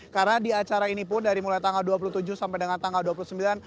karena di acara ini pun dari mulai tanggal dua puluh tujuh sampai dengan tanggal dua puluh sembilan